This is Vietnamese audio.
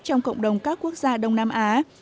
trong cộng đồng các quốc gia đông nam á